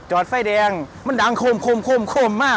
จอดไฟแดงมันหลั่งคมมาคม